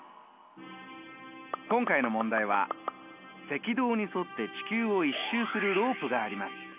今回の問題は「赤道に沿って地球を１周するロープがあります。